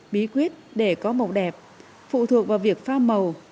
bí quyết để có màu đẹp phụ thuộc vào việc pha màu